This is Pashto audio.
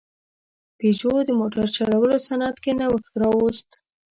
پيژو د موټر جوړولو صنعت کې نوښت راوست.